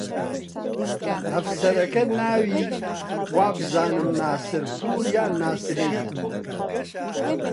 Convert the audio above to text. ئەفسەرەکە ناوی وابزانم ناسرپوور یان ناسری بوو